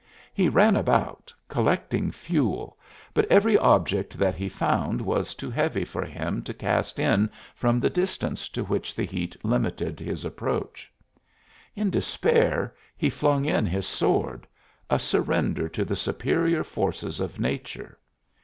He ran about, collecting fuel, but every object that he found was too heavy for him to cast in from the distance to which the heat limited his approach. In despair he flung in his sword a surrender to the superior forces of nature.